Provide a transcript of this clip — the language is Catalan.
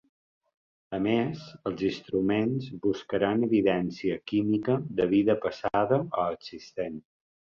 A més, els instruments buscaran evidència química de vida passada o existent.